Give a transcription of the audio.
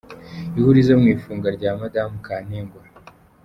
Ihurizo mu ifungwa rya Mme Kantengwa: